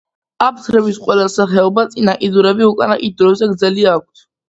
აფთრების ყველა სახეობას წინა კიდურები უკანა კიდურებზე გრძელი აქვთ.